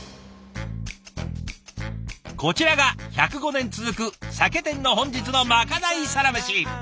こちらが１０５年続く酒店の本日のまかないサラメシ。